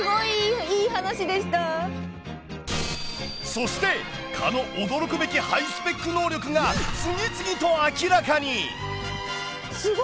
そして蚊の驚くべきハイスペック能力が次々と明らかに！